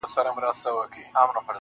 ته خپل پندونه وایه خو باور به د چا راسي-